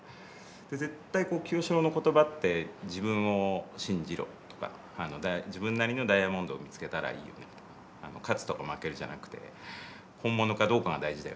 絶対清志郎の言葉って「自分を信じろ」とか「自分なりのダイヤモンドを見つけたらいいよね」とか「勝つとか負けるじゃなくて本物かどうかが大事だよね」